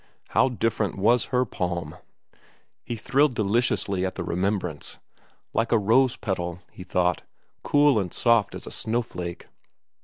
How different was her palm! He thrilled deliciously at the remembrance. Like a rose petal, he thought; cool and soft as a snowflake.